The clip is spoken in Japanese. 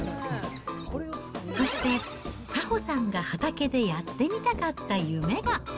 そして早穂さんが畑でやってみたかった夢が。